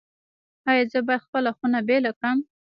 ایا زه باید خپله خونه بیله کړم؟